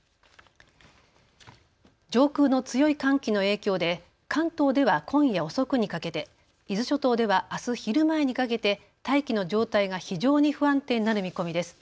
上空の強い寒気の影響で関東では今夜遅くにかけて、伊豆諸島ではあす昼前にかけて大気の状態が非常に不安定になる見込みです。